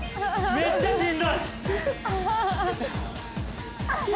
めっちゃしんどい。